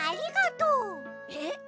えっ？